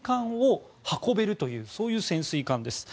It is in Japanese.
つまり潜水艦を運べるというそういう潜水艦です。